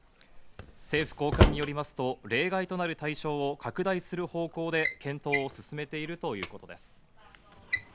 政府高官によりますと例外となる対象を拡大する方向で検討を進めているということです。